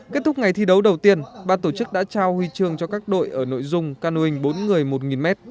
kết thúc ngày thi đấu đầu tiên ba tổ chức đã trao huy chương cho các đội ở nội dung cơ nui ính bốn người một m